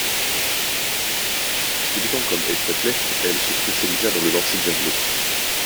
Débutant comme heptathlète, elle se spécialisa dans le lancer du javelot.